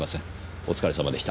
お疲れ様でした。